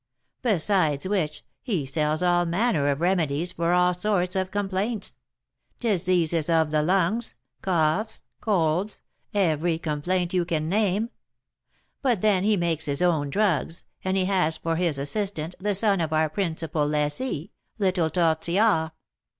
Besides which, he sells all manner of remedies for all sorts of complaints, diseases of the lungs, coughs, colds, every complaint you can name; but then he makes his own drugs, and he has for his assistant the son of our principal lessee, little Tortillard.